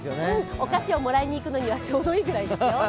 お菓子をもらいにいくのにはちょうどいいくらいですよ。